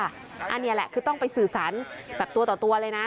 อันนี้แหละคือต้องไปสื่อสารแบบตัวต่อตัวเลยนะ